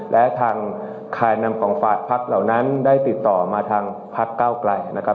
และทางคลายนำของฝากพักเหล่านั้นได้ติดต่อมาทางพักเก้าไกลนะครับ